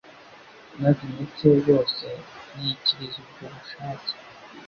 maze imitsi ye yose yikiriza ubwo bushake